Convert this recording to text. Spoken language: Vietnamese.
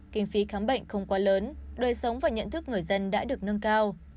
kinh phí khám bệnh không quá lớn đời sống và nhận thức người dân đã được nâng cao